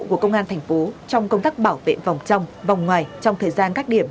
của công an thành phố trong công tác bảo vệ vòng trong vòng ngoài trong thời gian các điểm